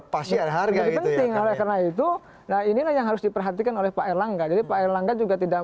pasti ada penting oleh karena itu nah inilah yang harus diperhatikan oleh pak erlangga jadi pak erlangga juga tidak